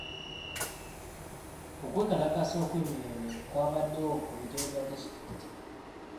Okwekalakaasa okw'emirembe kwabaddewo ku bitebe bya disitulikiti.